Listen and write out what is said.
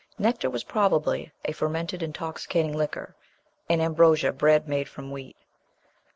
Nectar was probably a fermented intoxicating liquor, and ambrosia bread made from wheat.